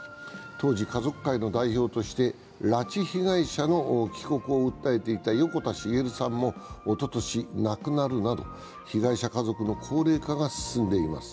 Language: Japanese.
当時、家族会の代表として拉致被害者の帰国を訴えていた横田滋さんもおととし亡くなるなど、被害者家族の高齢化が進んでいます。